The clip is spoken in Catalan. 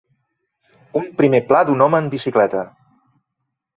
Un primer pla d'un home en bicicleta.